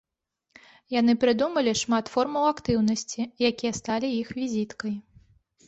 Яны прыдумалі шмат формаў актыўнасці, якія сталі іх візіткай.